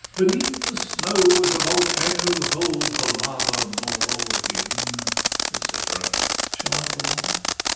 beneath the snow, As a volcano holds the lava more Within et cætera. Shall I go on?